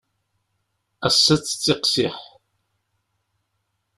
Ass-a ad d-tettiqsiḥ.